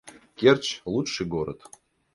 Керчь — лучший город